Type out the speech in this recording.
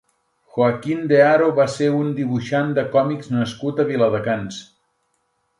Joaquín de Haro va ser un dibuixant de còmics nascut a Viladecans.